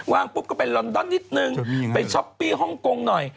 งปุ๊บก็เป็นลอนดอนนิดนึงไปช้อปปี้ฮ่องกงหน่อย